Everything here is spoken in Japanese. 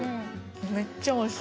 めっちゃおいしい。